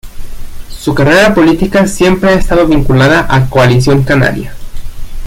Su carrera política siempre ha estado vinculada a Coalición Canaria.